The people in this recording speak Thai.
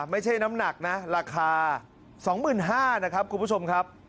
ไม่ใช่น้ำหนักนะราคา๒๕๐๐นะครับคุณผู้ชมครับ